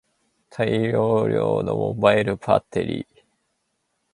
大容量のモバイルバッテリー